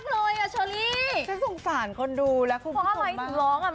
และที่สุดท้ายก็คือทั้ง๓คนร้องเล่นดินฟังมาก